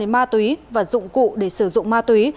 ma túy và dụng cụ để sử dụng ma túy